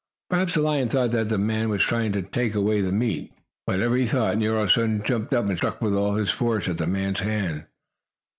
Perhaps the lion thought that the man was trying to take away the meat. Whatever he thought, Nero suddenly jumped up and struck with all his force at the man's hand.